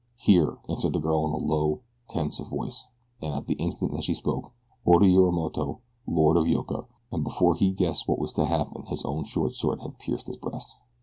"Here!" answered the girl in a low, tense voice, and at the instant that she spoke Oda Yorimoto, Lord of Yoka, felt a quick tug at his belt, and before he guessed what was to happen his own short sword had pierced his breast.